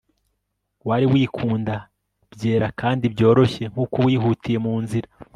wari wikunda byera kandi byoroshye nkuko wihutiye munzira